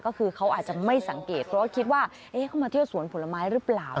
ก็คือเขาอาจจะไม่สังเกตเพราะว่าคิดว่าเขามาเที่ยวสวนผลไม้หรือเปล่า